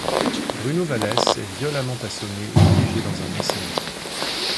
Bruno Valès est violemment assommé et piégé dans un incendie.